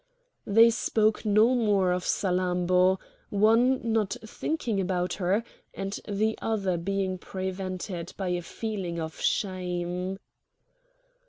They spoke no more of Salammbô,—one not thinking about her, and the other being prevented by a feeling of shame.